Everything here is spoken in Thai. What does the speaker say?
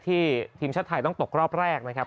ทีมชาติไทยต้องตกรอบแรกนะครับ